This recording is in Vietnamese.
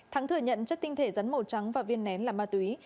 thắng thừa nhận chất tinh thể rắn màu trắng và viên nén là ma túy